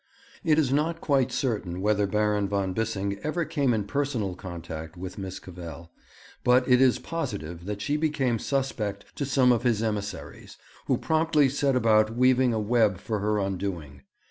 It is not quite certain whether Baron von Bissing ever came in personal contact with Miss Cavell, but it is positive that she became suspect to some of his emissaries, who promptly set about weaving a web for her undoing.